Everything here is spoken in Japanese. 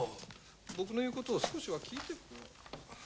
僕の言うことを少しは聞いて。